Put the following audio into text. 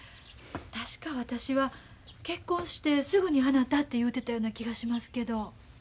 確か私は結婚してすぐにあなたと言うてたような気がしますけど。